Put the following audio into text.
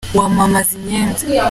wamamaza imyenda.